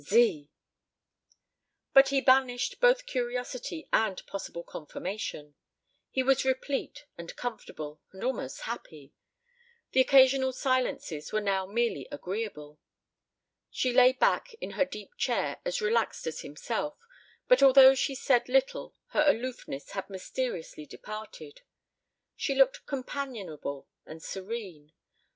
Z! But he banished both curiosity and possible confirmation. He was replete and comfortable, and almost happy. The occasional silences were now merely agreeable. She lay back in her deep chair as relaxed as himself, but although she said little her aloofness had mysteriously departed. She looked companionable and serene.